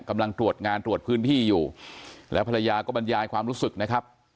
กำลังตรวจงานตรวจพื้นที่อยู่แล้วภรรยาก็บรรยายความรู้สึกนะครับ